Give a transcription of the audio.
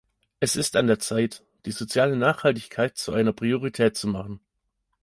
Es ist an der Zeit, die soziale Nachhaltigkeit zu einer Priorität zu machen.